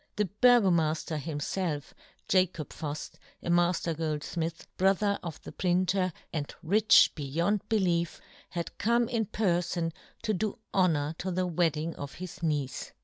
The Burgomafter himfelf, Jacob Fuft, a mafter goldfmith, brother of the printer, and rich beyond belief, had come in perfon to do honour to the wedding of his niece.